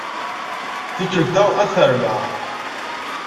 Tikkelt-a, ad t-armeɣ.